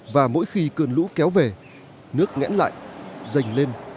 và mỗi khi cơn lũ kéo về nước ngẽn lại rènh lên